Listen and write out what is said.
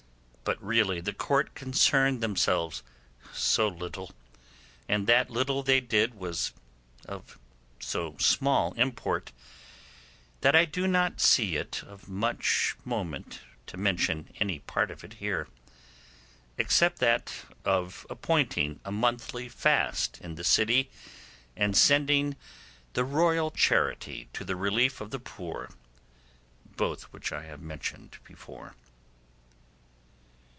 But really the Court concerned themselves so little, and that little they did was of so small import, that I do not see it of much moment to mention any part of it here: except that of appointing a monthly fast in the city and the sending the royal charity to the relief of the poor, both which I have mentioned before.